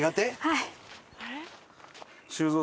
はい。